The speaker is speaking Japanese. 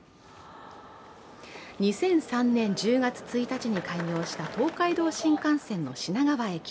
２００３年１０月１日に開業した東海道新幹線の品川駅。